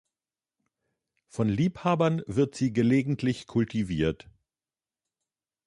Von Liebhabern wird sie gelegentlich kultiviert.